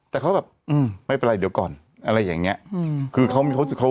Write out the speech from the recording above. แต่เขาแบบไม่เป็นไรเดี๋ยวก่อน